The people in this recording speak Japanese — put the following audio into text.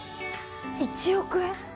１億円？